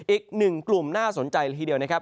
อีกหนึ่งกลุ่มน่าสนใจละทีเดียวนะครับ